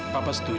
papa setuju mila